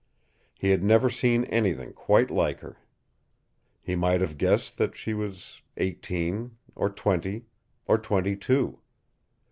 He had never seen anything quite like her. He might have guessed that she was eighteen, or twenty, or twenty two.